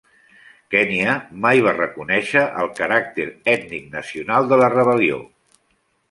Kenya mai va reconèixer el caràcter ètnic nacional de la rebel·lió.